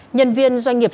nhân viên doanh nghiệp